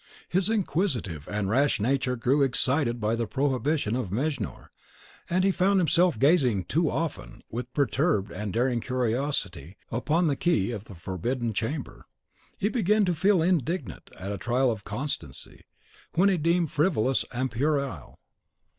His inquisitive and rash nature grew excited by the prohibition of Mejnour, and he found himself gazing too often, with perturbed and daring curiosity, upon the key of the forbidden chamber. He began to feel indignant at a trial of constancy which he deemed frivolous and puerile.